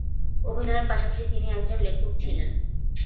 অভিনয়ের পাশাপাশি তিনি একজন লেখক ছিলেন।